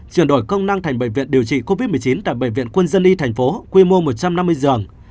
chuyển đổi công năng thành bệnh viện điều trị covid một mươi chín tại bệnh viện quân dân y thành phố quy mô một trăm năm mươi giường